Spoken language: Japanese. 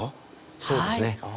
そうですね。